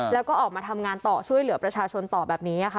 แล้วก็ออกมาทำงานต่อช่วยเหลือประชาชนต่อแบบนี้ค่ะ